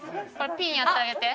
ピンやってあげて。